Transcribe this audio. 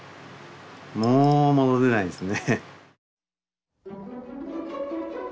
もう戻れないですね。